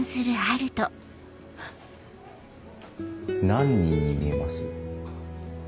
何人に見えます？